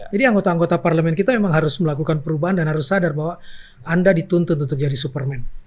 jadi anggota anggota parlemen kita memang harus melakukan perubahan dan harus sadar bahwa anda dituntut untuk jadi superman